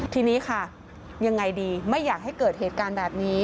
ทีนี้ค่ะยังไงดีไม่อยากให้เกิดเหตุการณ์แบบนี้